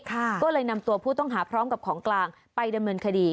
ก็เลยนำตัวผู้ต้องหาพร้อมกับของกลางไปดำเนินคดี